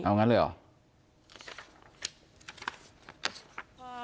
เอางั้นเลยเหรอ